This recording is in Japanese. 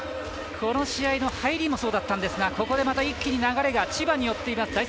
この試合の入りもそうだったんですがここでまた一気に流れが千葉によっています